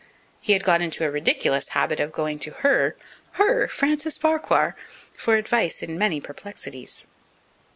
He had got into a ridiculous habit of going to her her, Frances Farquhar! for advice in many perplexities.